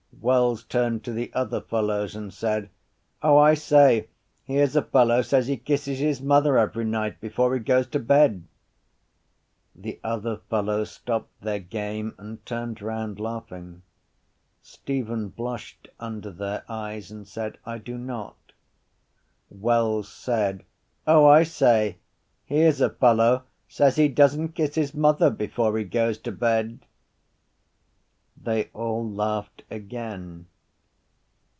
Wells turned to the other fellows and said: —O, I say, here’s a fellow says he kisses his mother every night before he goes to bed. The other fellows stopped their game and turned round, laughing. Stephen blushed under their eyes and said: —I do not. Wells said: —O, I say, here’s a fellow says he doesn’t kiss his mother before he goes to bed. They all laughed again.